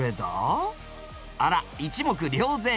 あら一目瞭然！